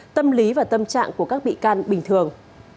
tâm lý và tâm trạng của các bị can bình thường